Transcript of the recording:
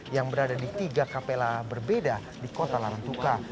yang berada di tiga kapela berbeda di kota larantuka